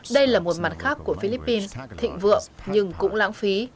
đây là một mặt khác của philippines thịnh vượng nhưng cũng lãng phí